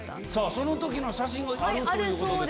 その時の写真があるということで。